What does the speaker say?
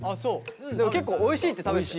結構おいしいって食べてたよ。